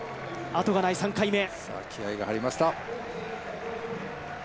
後がない３回目。